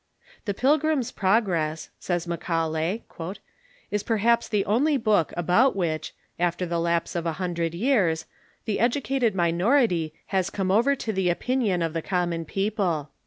"The ' Pilgrim's Progress,' " says Macaulay, " is perhaps the onl}^ book about which, after the lapse of a hundred years, the educated minority has come over to the o])inion of the common people."